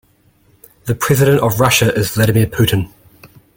The president of Russia is Vladimir Putin.